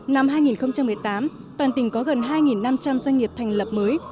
năm hai nghìn một mươi tám toàn tỉnh có gần hai năm trăm linh doanh nghiệp thành lập mới